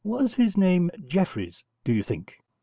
'Was his name Jeffreys, do you think?'